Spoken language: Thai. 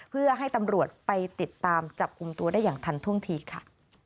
เพื่อให้ตำรวจไปติดตามจับกลุ่มตัวได้อย่างทันท่วงทีค่ะ